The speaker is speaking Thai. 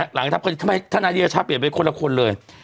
หลังทำกดีทำไมธนายเดช้าเปลี่ยนไปคนละคนเลย